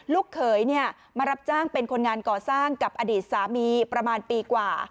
ลูกเขยมารับจ้างเป็นคนงานก่อสร้างกับอดีตสามีประมาณปีกว่า